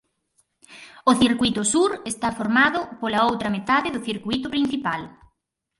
O circuíto sur está formado pola outra metade do circuíto principal.